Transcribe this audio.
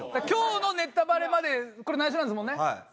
今日のネタバレまでこれ内緒なんですもんね。